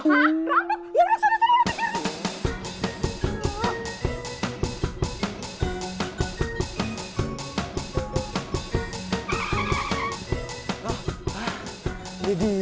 hah rampok ya udah